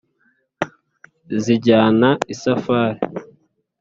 zijyana isafari :